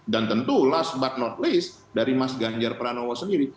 dan tentu last but not least dari mas ganjar pranowo sendiri